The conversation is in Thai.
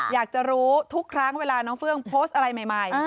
อยากจะรู้ทุกครั้งเวลาน้องเฟื่องโพสต์อะไรใหม่